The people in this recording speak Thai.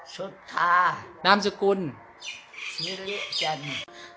สุธานามสุกุลชีวิตจันทร์